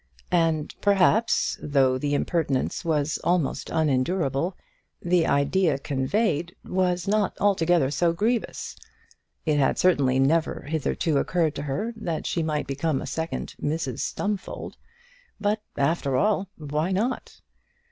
And, perhaps, though the impertinence was almost unendurable, the idea conveyed was not altogether so grievous; it had certainly never hitherto occurred to her that she might become a second Mrs Stumfold; but, after all, why not?